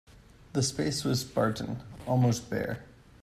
The space was spartan, almost bare.